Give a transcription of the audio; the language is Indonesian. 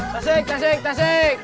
tasik tasik tasik